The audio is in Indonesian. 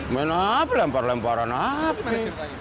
main api lempar lemparan api